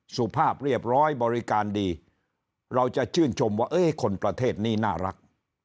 สุภาพเรียบร้อยบริการดีเราจะชื่นชมว่าคนประเทศนี้น่ารัก